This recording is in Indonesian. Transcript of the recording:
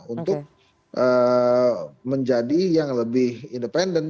untuk menjadi yang lebih independen